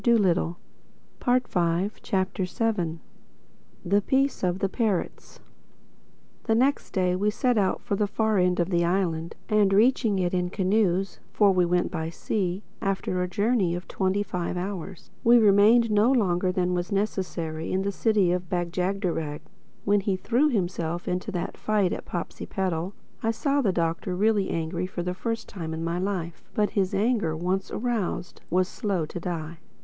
THE SEVENTH CHAPTER THE PEACE OF THE PARROTS THE next day we set out for the far end of the island, and reaching it in canoes (for we went by sea) after a journey of twenty five hours, we remained no longer than was necessary in the City of Bag jagderag. When he threw himself into that fight at Popsipetel, I saw the Doctor really angry for the first time in my life. But his anger, once aroused, was slow to die.